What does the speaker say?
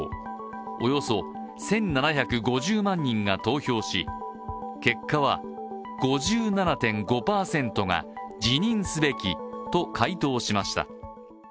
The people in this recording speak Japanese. およそ１７５０万人が投票し、結果は、５７．５％が「辞任すべき」と回答しました。